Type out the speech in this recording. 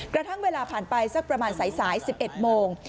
กระทั่งเวลาผ่านไปสักประมาณสาย๑๑โมง